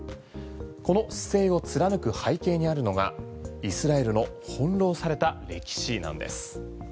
この姿勢を貫く背景にあるのがイスラエルの翻ろうされた歴史なんです。